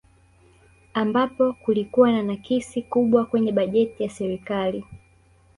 Ambapo kulikuwa na nakisi kubwa kwenye bajeti ya serikali